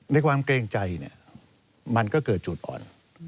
ในความเกรงใจมันก็เกิดจุดอ่อน